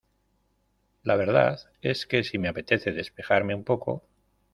La verdad es que sí me apetece despejarme un poco.